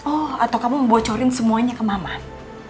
oh atau kamu mau bocorin semuanya ke maman